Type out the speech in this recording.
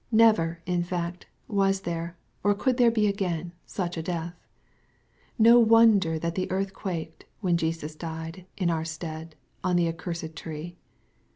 Never, in fact, was there, or could there be again, such a death. No wonder that the earth quaked, when Jesus died, in our stead, on the accursed tree.